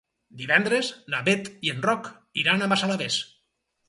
Divendres na Bet i en Roc iran a Massalavés.